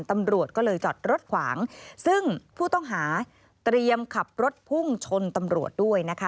ตำรวจก็เลยจอดรถขวางซึ่งผู้ต้องหาเตรียมขับรถพุ่งชนตำรวจด้วยนะคะ